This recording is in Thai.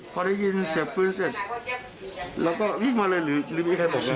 พอได้ยินเสียปืนเสร็จเราก็รีบมาเลยหรือ